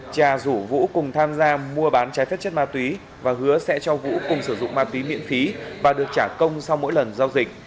cha rủ vũ cùng tham gia mua bán trái phép chất ma túy và hứa sẽ cho vũ cùng sử dụng ma túy miễn phí và được trả công sau mỗi lần giao dịch